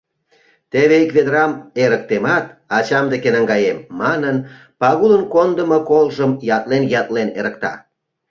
Теве ик ведрам эрыктемат, ачам деке наҥгаем, — манын, Пагулын кондымо колжым ятлен-ятлен эрыкта.